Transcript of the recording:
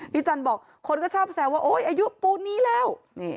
พี่จันทร์บอกคนก็ชอบแซวว่าอายุปูนี้แล้ว